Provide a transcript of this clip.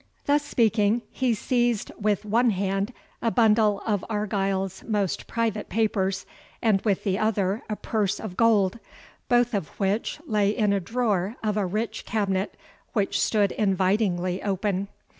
Thus speaking, he seized with one hand a bundle of Argyle's most private papers, and with the other a purse of gold, both of which lay in a drawer of a rich cabinet, which stood invitingly open.